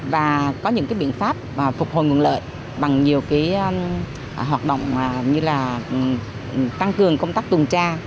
và có những biện pháp phục hồi nguồn lợi bằng nhiều hoạt động tăng cường công tác tuần tra